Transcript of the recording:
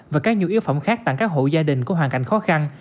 và các nhu yếu phẩm khác tặng các hộ gia đình có hoàn cảnh khó khăn